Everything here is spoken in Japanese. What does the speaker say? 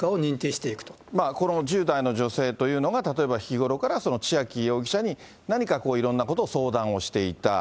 この１０代の女性というのが、例えば日頃から千秋容疑者に何かこう、いろんなことを相談をしていた。